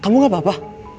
kamu gak apa apa